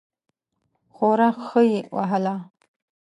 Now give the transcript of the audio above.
خورا ښه یې وهله.